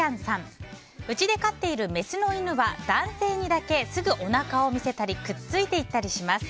うちで飼っているメスの犬は男性にだけすぐおなかを見せたりくっついていったりします。